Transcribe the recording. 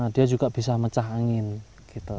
dia juga bisa mecah angin gitu